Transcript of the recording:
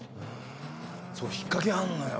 そう引っかけあるのよ。